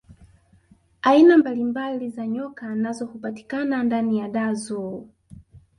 aina mbalimbali za nyoka nazo hupatikana ndani ya dar zoo